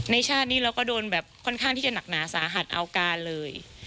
ชาตินี้เราก็โดนแบบค่อนข้างที่จะหนักหนาสาหัสเอาการเลย